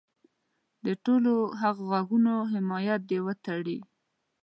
د ټولو هغه غږونو حمایت دې وتړي.